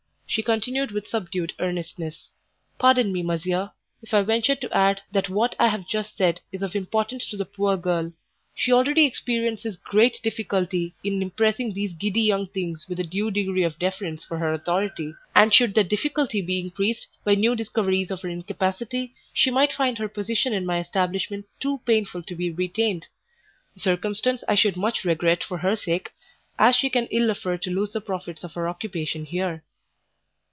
She continued with subdued earnestness "Pardon me, monsieur, if I venture to add that what I have just said is of importance to the poor girl; she already experiences great difficulty in impressing these giddy young things with a due degree of deference for her authority, and should that difficulty be increased by new discoveries of her incapacity, she might find her position in my establishment too painful to be retained; a circumstance I should much regret for her sake, as she can ill afford to lose the profits of her occupation here."